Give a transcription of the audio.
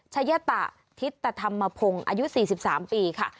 ชะยะตะทิตธรรมพงศ์อายุ๔๓ปีค่ะ